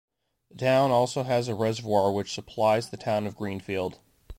The town also has a reservoir which supplies the town of Greenfield.